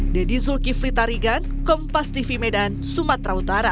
deddy zulkifli tarigan kompas tv medan sumatera utara